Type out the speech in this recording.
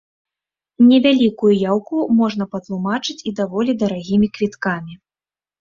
Невялікую яўку можна патлумачыць і даволі дарагімі квіткамі.